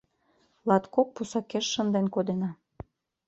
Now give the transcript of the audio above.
Латкок пусакеш шынден кодена